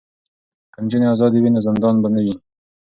که نجونې ازادې وي نو زندان به نه وي.